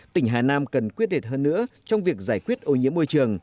tỉnh hà nam cần quyết đẹp hơn nữa trong việc giải quyết ô nhiễm môi trường